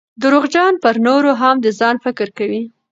درواغجن پرنورو هم دځان فکر کوي